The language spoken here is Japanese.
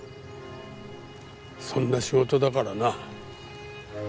そんな仕事だからな。